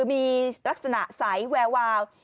มีลักษณะใสแวววาว